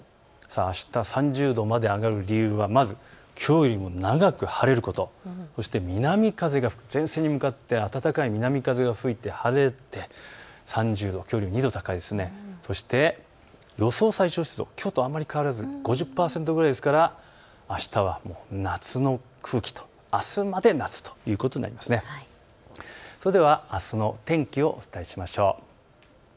あした３０度まで上がる理由はまずきょうよりも長く晴れること、そして南風が前線に向かって暖かい南風が吹いて晴れて３０度、そして予想最小湿度、きょうとあまり変わらず５０％くらいですからあしたは夏の空気、あすまで夏ということになりそうです。